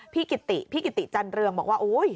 กิติพี่กิติจันเรืองบอกว่าโอ๊ย